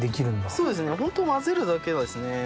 そうですねホント混ぜるだけですね。